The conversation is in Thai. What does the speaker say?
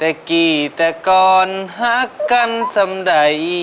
แต่กี่แต่ก่อนหักกันสำใด